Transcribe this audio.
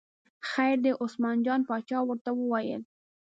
خیر دی، عثمان جان باچا ورته وویل.